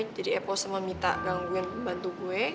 jadi epo sama mita gangguin pembantu gue